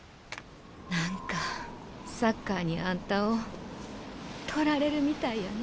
何かサッカーにあんたを取られるみたいやねえ。